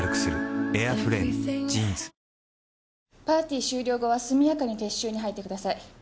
パーティー終了後は速やかに撤収に入ってください。